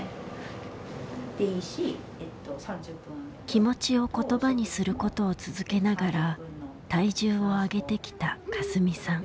気持ちを言葉にすることを続けながら体重を上げてきたかすみさん。